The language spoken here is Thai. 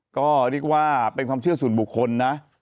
ก็เรียกว่าเป็นความเชื่อส่วนบุคคลนะ